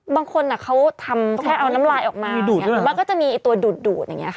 บางคนอะเขาทำแค่เอาน้ำลายออกมามั้ยแต่มันก็จะมีตัวดูดดูดอย่างเงี้ย